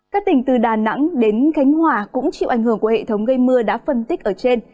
các tỉnh từ đà nẵng đến khánh hòa cũng chịu ảnh hưởng của hệ thống gây mưa đã phân tích ở trên